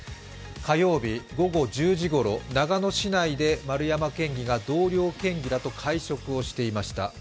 火曜日、午後１０時ごろ、長野市内で丸山県議が同僚県議らと会食をしていました。